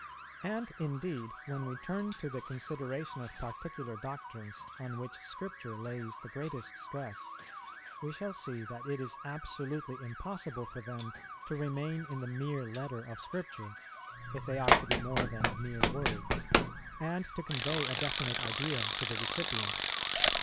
And, indeed, when we turn to the consideration of particular doctrines on which Scripture lays the greatest stress, we shall see that it is absolutely impossible for them to remain in the mere letter of Scripture, if they are to be more than mere words, and to convey a definite idea to the recipient.